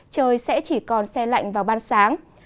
trời sẽ chỉ còn xe lạnh và ban sáng